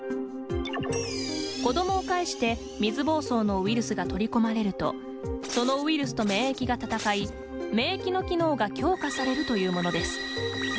子どもを介して水ぼうそうのウイルスが取り込まれるとそのウイルスと免疫が闘い免疫の機能が強化されるというものです。